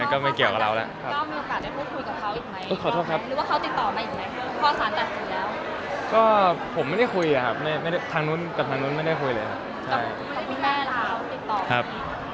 ก็ผมไม่ได้คุยอะครับทางนู้นกับทางนู้นไม่ได้คุยเลยครับ